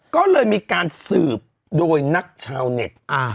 ก็เลยมีการสืบโดยนักชาวเน็ต